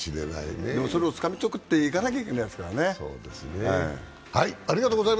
それをつかみ取っていかなきゃならないですからね。